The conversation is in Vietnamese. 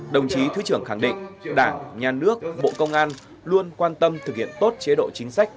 đồng chí thứ trưởng khẳng định đảng nhà nước bộ công an luôn quan tâm thực hiện tốt chế độ chính sách